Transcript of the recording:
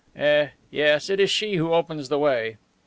"Eh, yes, it is she who opens the way."